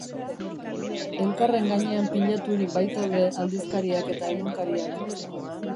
Elkarren gainean pilaturik baitaude aldizkariak eta egunkariak.